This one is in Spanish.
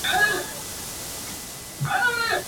Estos problemas económicos aún perduraron en la entidad.